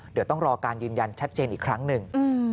เดี๋ยวต้องรอการยืนยันชัดเจนอีกครั้งหนึ่ง